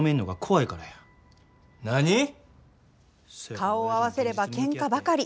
顔を合わせればけんかばかり。